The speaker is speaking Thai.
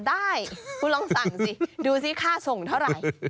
ได้คุณลองสั่งสิดูซิค่าส่งเท่าไหร่